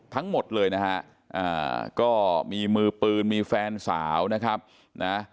ทั้งหมดเลยนะฮะก็มีมือปืนมีแฟนสาวนะครับนะ